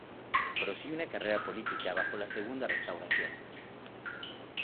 Prosigue una carrera política bajo la Segunda Restauración.